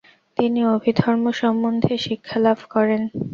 তিনি অভিধর্ম সম্বন্ধে শিক্ষা লাভ করেন।